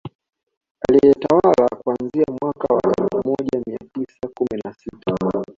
Aliyetawala kuanzia mwaka wa elfu moja mia tisa kumi na sita